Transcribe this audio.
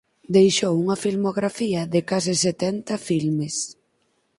Deixou unha filmografía de case setenta filmes.